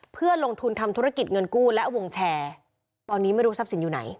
เพื่อลงทุนทำธุรกิจเงินกู้และวงแชร์ตอนนี้ไม่รู้ทรัพย์สินอยู่ไหน